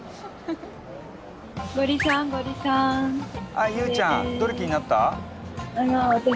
あっゆうちゃんどれ気になった？